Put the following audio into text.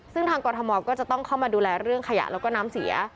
ซึ่งทางกรทมก็จะต้องเข้ามาดูแลเรื่องขยะแล้วก็น้ำเสีย